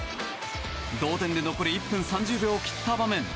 同点で残り１分３０秒を切った場面。